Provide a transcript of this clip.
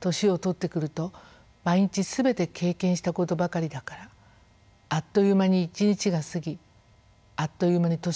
年を取ってくると毎日全て経験したことばかりだからあっという間に一日が過ぎあっという間に年が暮れる。